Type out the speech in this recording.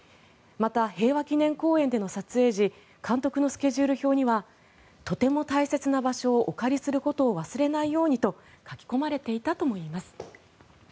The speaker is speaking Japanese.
また、平和記念公園での撮影時監督のスケジュール表にはとても大切な場所をお借りすることを忘れないようにと書き込まれていたともいいます。